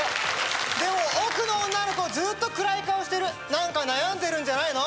でも奥の女の子ずっと暗い顔してる何か悩んでるんじゃないの？